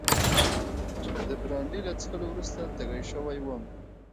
د برانډي له څښلو وروسته تږی شوی وم.